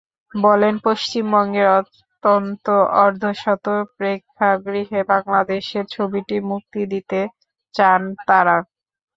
বলেন, পশ্চিমবঙ্গের অন্তত অর্ধশত প্রেক্ষাগৃহে বাংলাদেশের ছবিটি মুক্তি দিতে চান তাঁরা।